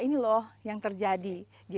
ini loh yang terjadi